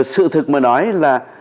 sự thực mà nói là